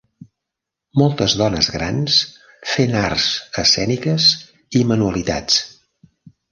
moltes dones grans fent arts escèniques i manualitats